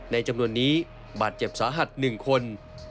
จำนวนนี้บาดเจ็บสาหัส๑คน